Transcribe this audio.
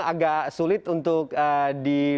agak sulit untuk di